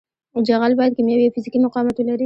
جغل باید کیمیاوي او فزیکي مقاومت ولري